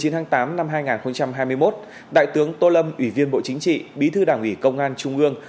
một mươi tháng tám năm hai nghìn hai mươi một đại tướng tô lâm ủy viên bộ chính trị bí thư đảng ủy công an trung ương